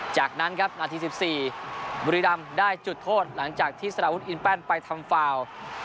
จากนั้นครับนาที๑๔บุรีรำได้จุดโทษหลังจากที่สารวุฒิอินแป้นไปทำฟาว